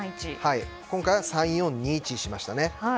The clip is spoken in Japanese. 今回は３−４−２−１にしました。